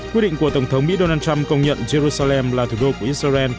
quyết định của tổng thống mỹ donald trump công nhận giê ru sa lem là thủ đô của israel